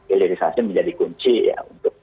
hilirisasi menjadi kunci ya untuk